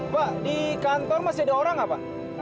mbak di kantor masih ada orang apa